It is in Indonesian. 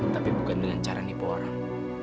tapi bukan dengan cara nipu orang